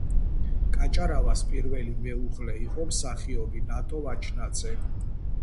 კაჭარავას პირველი მეუღლე იყო მსახიობი ნატო ვაჩნაძე.